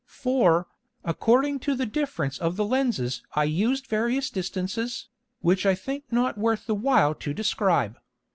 For, according to the difference of the Lenses I used various distances, which I think not worth the while to describe.